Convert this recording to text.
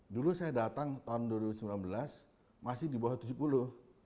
dulu saya datang tahun dua ribu sembilan belas masih di bawah tujuh puluh